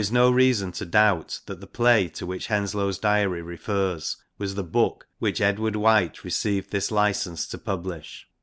649. INTRODUCTION xi the play to which Henslowe's Diary refers was the * booke ' which Edward White received this license to publish.